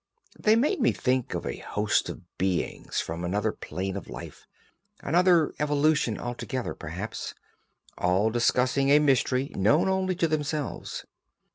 They made me think of a host of beings from another plane of life, another evolution altogether, perhaps, all discussing a mystery known only to themselves.